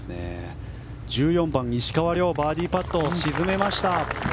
１４番、石川遼バーディーパット、沈めました。